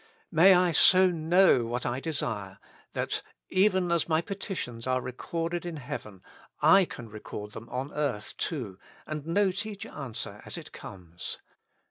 May I so know what I desire that, even as my petitions are recorded in heaven, I can record them on earth too, and note each answer as it comes.